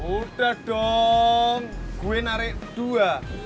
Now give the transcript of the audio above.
udah dong gue narik dua